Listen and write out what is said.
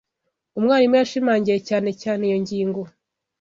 Umwarimu yashimangiye cyane cyane iyo ngingo.